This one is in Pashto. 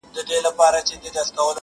بل وايي دود بل وايي جرم,